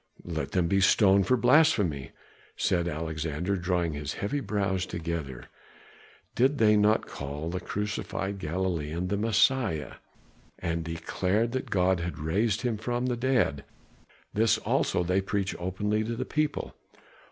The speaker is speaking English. "Let them be stoned for blasphemy," said Alexander, drawing his heavy brows together. "Did they not call the crucified Galilean the Messiah, and declare that God had raised him from the dead? This also they preach openly to the people.